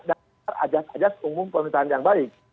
dan ajar ajar umum pemerintahan yang baik